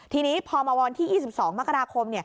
ทีนี้พอมาวันที่๒๒มกราคม